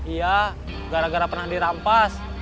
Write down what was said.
iya gara gara pernah dirampas